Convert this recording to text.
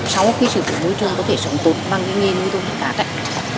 sau khi sử dụng nuôi tôm có thể sống tốt bằng nguyên nguyên nuôi tôm tất cả